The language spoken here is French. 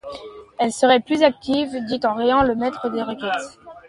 Elle serait plus active, dit en riant le maître des requêtes.